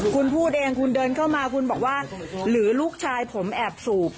คุณพูดเองคุณเดินเข้ามาคุณบอกว่าหรือลูกชายผมแอบสูบ